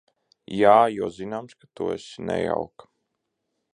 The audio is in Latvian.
Jā, jo zināms, ka tu esi nejauka.